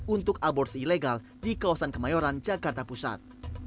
untuk aborsi ilegal di kawasan kemayoran jakarta pusat